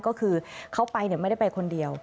ก็คือเขาไปไม่ได้ไปคนเดียว